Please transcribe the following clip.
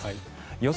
予想